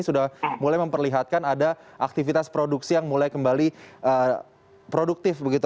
sudah mulai memperlihatkan ada aktivitas produksi yang mulai kembali produktif begitu